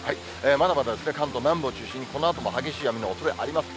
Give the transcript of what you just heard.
まだまだ関東南部を中心に、このあとも激しい雨のおそれあります。